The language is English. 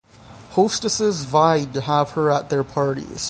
Hostesses vied to have her at their parties.